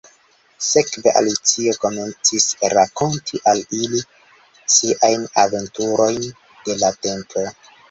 Sekve, Alicio komencis rakonti al ili siajn aventurojn de la tempo.